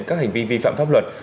các hành vi vi phạm pháp luật